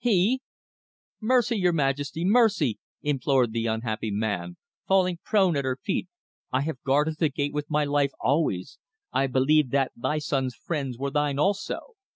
He " "Mercy, your majesty! mercy!" implored the unhappy man, falling prone at her feet. "I have guarded the Gate with my life always. I believed that thy son's friends were thine also."